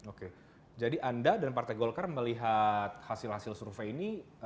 oke jadi anda dan partai golkar melihat hasil hasil survei ini